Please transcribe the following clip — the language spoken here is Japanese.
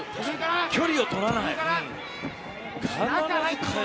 距離をとらない。